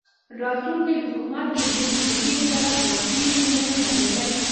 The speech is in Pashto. راتلونکي حکومت کې د یو کلیدي وزارت وړاندیز یې نه دی منلی.